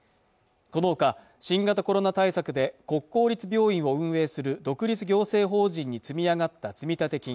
このほか新型コロナ対策で国公立病院を運営する独立行政法人に積み上がった積立金